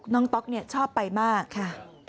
น้องต๊อกชอบไปมากค่ะ